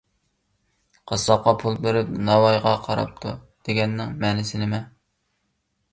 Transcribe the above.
«قاسساپقا پۇل بېرىپ ناۋايغا قاراپتۇ» دېگەننىڭ مەنىسى نېمە؟